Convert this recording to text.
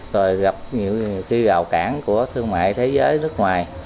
rồi gặp nhiều khi gào cản của thương mại thế giới nước ngoài